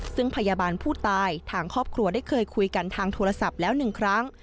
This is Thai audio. ซึ่งพยาบาลผู้ตายทางครอบครัวได้เคยคุยกันทางโทรศัพท์แล้วหนึ่งครั้ง